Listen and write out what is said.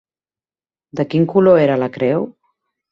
De quin color era la creu?